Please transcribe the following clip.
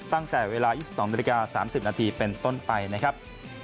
ตั้งแต่เวลา๒๒นาฬิกา๓๐นาทีเป็นต้นไปนะครับ